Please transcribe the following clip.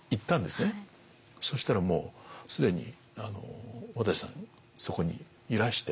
そしたらもう既に渡さんそこにいらして。